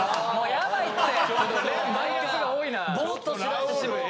やばいって。